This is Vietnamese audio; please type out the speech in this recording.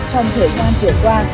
trong thời gian vừa qua